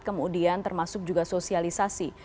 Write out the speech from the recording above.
kemudian termasuk juga sosialisasi